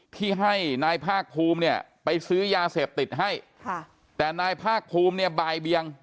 ที่ให้นายภาคภูมิเนี่ยไปซื้อยาเสพติดให้ค่ะแต่นายภาคภูมิเนี่ยบ่ายเบียง